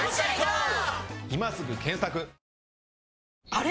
あれ？